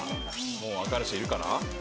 もうわかる人いるかな？